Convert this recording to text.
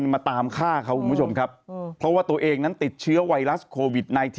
ไปถามอีกว่ารู้จักพี่น้อยเกินมั้ย